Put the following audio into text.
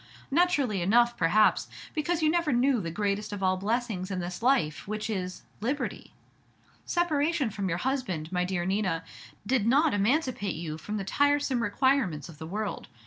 "Naturally enough, perhaps, because you never knew the greatest of all blessings in this life, which is liberty. Separation from your husband, my dear Nina, did not emancipate you from the tiresome requirements of the world.